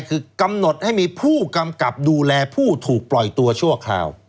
คือกำหนดให้มีผู้กำกับดูแลผู้ถูกปล่อยตัวชั่วคราว